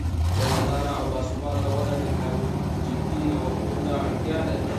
دوامداره او با ثباته وده ټکنالوژیکي نوښتونو ته اړتیا لري.